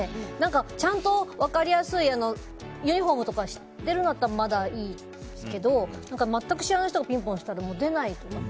ちゃんと分かりやすいユニホームとかしてるんだったらまだいいですけど全く知らない人がピンポンしたら出ない。